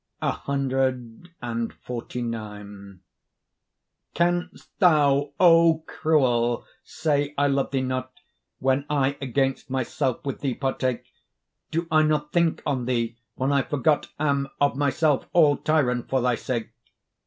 CXLIX Canst thou, O cruel! say I love thee not, When I against myself with thee partake? Do I not think on thee, when I forgot Am of my self, all tyrant, for thy sake?